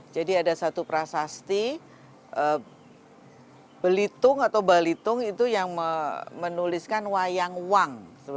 jadi ada satu prasasti belitung atau balitung itu yang menuliskan wayang wong